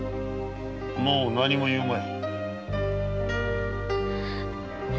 もう何も言うまい。